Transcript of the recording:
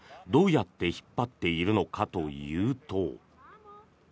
どうやって引っ張っているのかというと。